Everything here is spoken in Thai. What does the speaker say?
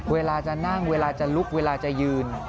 เวลาจะนั่งเวลาจะลุกเวลาจะยืน